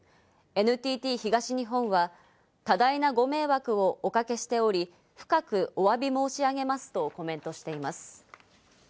ＮＴＴ東日本は多大なご迷惑をおかけしており、深くお詫び申し上げますとコメントしています。